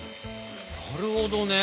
なるほどね！